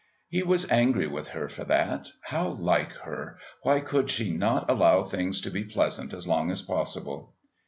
He was angry with her for that. How like her! Why could she not allow things to be pleasant as long as possible?